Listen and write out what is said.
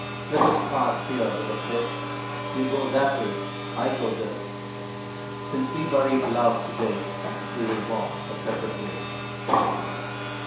Let us part here with a kiss, You go that way, I go this. Since we buried Love to day We will walk a separate way.